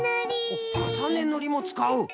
おっかさねぬりもつかう？